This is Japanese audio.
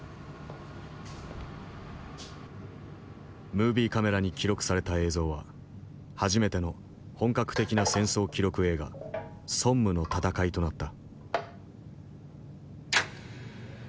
ムービーカメラに記録された映像は初めての本格的な戦争記録映画「ソンムの戦い」となった。